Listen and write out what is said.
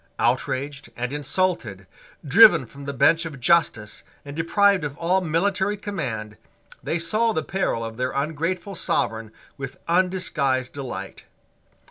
Outraged and insulted, driven from the bench of justice and deprived of all military command, they saw the peril of their ungrateful Sovereign with undisguised delight.